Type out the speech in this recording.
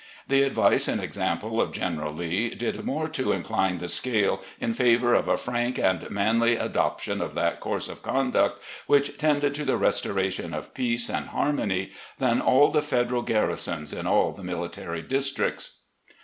... The advice and example of General Lee did more to incline the scale in favour of a frank and manly adoption of that course of conduct which tended to the restoration of peace and harmony than all the Federal garrisons in all the military districts."